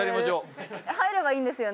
入ればいいんですよね？